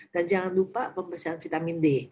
dan jangan lupa pemirsaan vitamin d